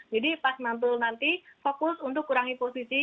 jadi pas mantul nanti fokus untuk kurangi posisi